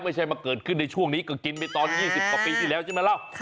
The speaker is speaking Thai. ไม่ใช่มาเกิดขึ้นในช่วงนี้ก็กินไปตอน๒๐กว่าปีที่แล้วใช่ไหมเล่า